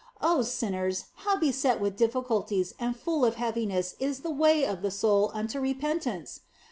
Oh, sinners, how beset with difficulties and full of heaviness is the way of the soul unto repentance